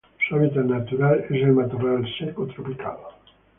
Su hábitat natural es el matorral seco tropical.